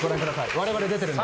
我々出てるので。